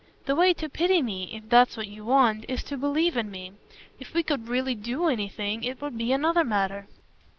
The way to pity me if that's what you want is to believe in me. If we could really DO anything it would be another matter."